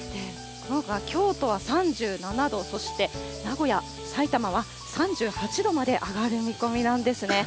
京都は３７度、そして、名古屋、さいたまは３８度まで上がる見込みなんですね。